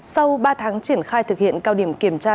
sau ba tháng triển khai thực hiện cao điểm kiểm tra